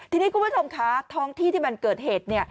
ทีนี้คุณผู้ชมคะท้องที่ที่มันเกิดเหตุ